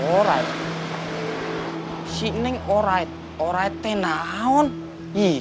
orai si neng orai orai teh nahon ih